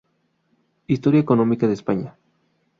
Historia económica de España.